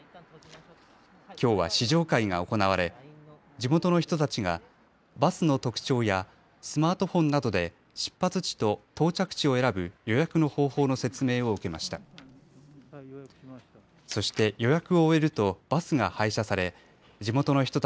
きょうは試乗会が行われ地元の人たちがバスの特徴やスマートフォンなどで出発地と到着地を選ぶ予約の方法の説明を受けました。